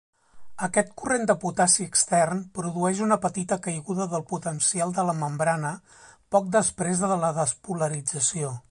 Aquest corrent de potassi extern produeix una petita caiguda del potencial de la membrana poc després de la despolarització.